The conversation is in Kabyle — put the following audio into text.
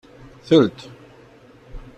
Telt.